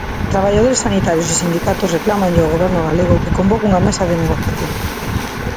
Traballadores sanitarios e sindicatos reclámanlle ao Goberno galego que convoque unha mesa de negociación.